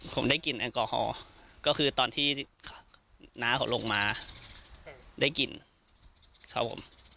ผมได้กลิ่นแอลกอฮอล์ก็คือตอนที่น้าเขาลงมาได้กลิ่นครับผม